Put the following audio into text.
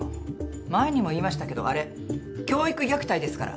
前にも言いましたけどあれ教育虐待ですから。